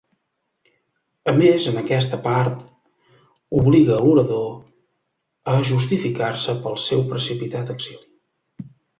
A més en aquesta part obliga l’orador a justificar-se pel seu precipitat exili.